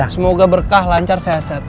semoga berkah lancar sehat sehat